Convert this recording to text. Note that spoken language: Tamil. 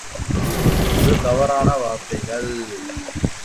வாசவதத்தையே உயிர்க் காதலி என்றால், பதுமையை எப்படிக் காதலித்தீர்கள்?